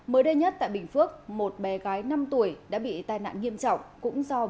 mới đây nhất tại bình phước một bé gái năm tuổi đã bị tai nạn nghiêm trọng cũng do bình ga mini